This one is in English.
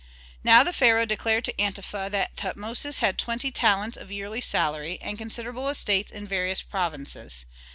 Now the pharaoh declared to Antefa that Tutmosis had twenty talents of yearly salary, and considerable estates in various provinces.